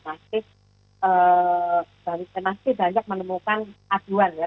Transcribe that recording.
masih banyak menemukan aduan ya